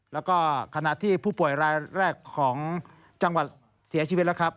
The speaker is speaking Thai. แล้วก็ขณะที่ผู้ป่วยรายแรกของจังหวัดเสียชีวิตแล้วครับ